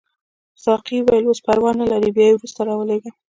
ساقي وویل اوس پروا نه لري بیا یې وروسته راولېږه.